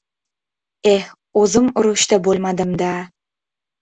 Eh, o‘zim urushda bo‘lmadim-da!..